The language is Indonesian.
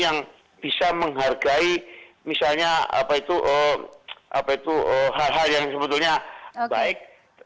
yang bisa menghargai misalnya apa itu apa itu hal hal yang sebetulnya baik